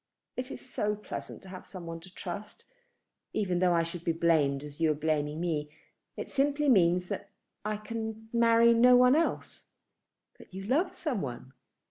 It is so pleasant to have some one to trust, even though I should be blamed as you are blaming me. It simply means that I can marry no one else." "But you love some one?"